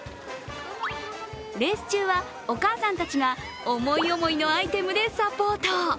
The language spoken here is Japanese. レース中はお母さんたちが思い思いのアイテムでサポート。